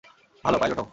ভাল, পাইলট হও।